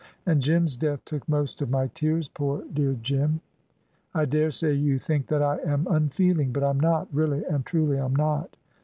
And Jim's death took most of my tears poor dear Jim! I daresay you think that I am unfeeling; but I'm not really and truly, I'm not.